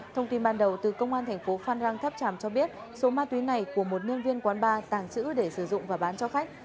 thông tin ban đầu từ công an thành phố phan rang tháp tràm cho biết số ma túy này của một nhân viên quán bar tàng trữ để sử dụng và bán cho khách